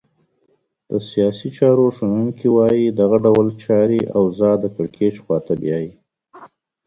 د سیاسي چارو شنونکي وایې دغه ډول چاري اوضاع د کرکېچ خواته بیایې.